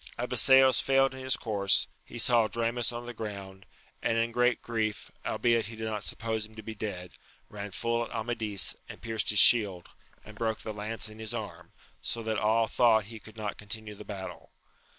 Abiseos failed in his course; he saw Dramis on the ground, and in great grief, albeit he did not suppose him to be dead, ran fiill at Amadis, and pierced his shield, and broke the lance in his smn, so that all thought he could not continue the battle.